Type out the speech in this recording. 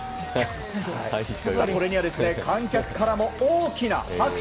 これには観客からも大きな拍手。